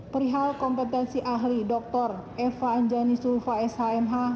perihal kompetensi ahli dr eva anjani sulfa shmh